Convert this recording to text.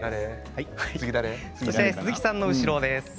鈴木さんの後ろ